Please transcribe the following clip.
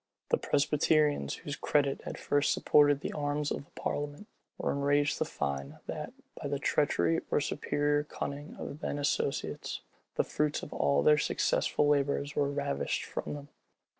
The Presbyterians, whose credit had first supported the arms of the parliament, were enraged to find that, by the treachery or superior cunning of then associates, the fruits of all their successful labors were ravished from them.